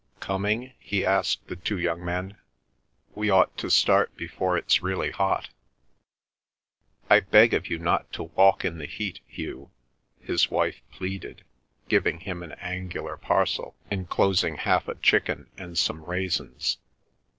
"Coming?" he asked the two young men. "We ought to start before it's really hot." "I beg of you not to walk in the heat, Hugh," his wife pleaded, giving him an angular parcel enclosing half a chicken and some raisins.